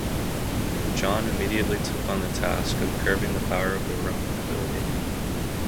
John immediately took on the task of curbing the power of the Roman nobility.